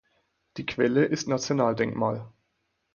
Die Quelle ist Nationaldenkmal.